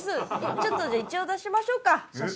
ちょっとじゃあ一応出しましょうか写真